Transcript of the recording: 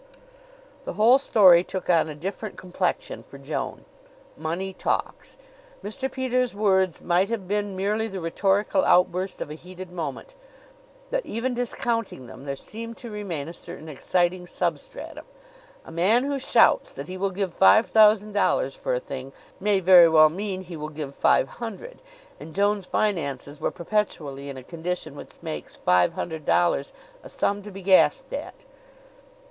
The whole story took on a different complexion for Joan. Money talks. Mr. Peters' words might have been merely the rhetorical outburst of a heated moment; but, even discounting them, there seemed to remain a certain exciting substratum. A man who shouts that he will give five thousand dollars for a thing may very well mean he will give five hundred, and Joan's finances were perpetually in a condition which makes five hundred dollars a sum to be gasped at.